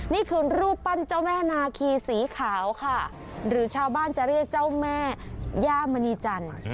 นี่คือรูปปั้นเจ้าแม่นาคีสีขาวค่ะหรือชาวบ้านจะเรียกเจ้าแม่ย่ามณีจันทร์